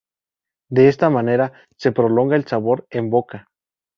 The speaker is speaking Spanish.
De esta manera se prolonga el sabor en boca.